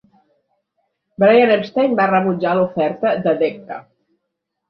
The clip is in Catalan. Brian Epstein va rebutjar l'oferta de Decca.